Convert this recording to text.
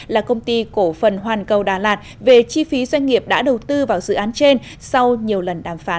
là công ty cổ phần hoàn cầu đà lạt về chi phí doanh nghiệp đã đầu tư vào dự án trên sau nhiều lần đàm phán